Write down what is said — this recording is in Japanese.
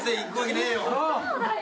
そうだよ。